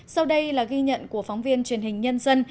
sau đây là ghi nhận của phóng viên truyền hình nhân dân